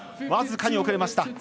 僅かに遅れました。